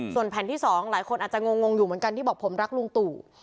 ส่วนแผ่นที่๒หลายคนอาจจะงงอยู่เหมือนกันที่บอกผมรักลุงตู่